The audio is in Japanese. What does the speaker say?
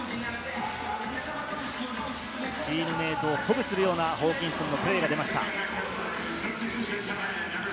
チームメートを鼓舞するようなホーキンソンのプレーが出ました。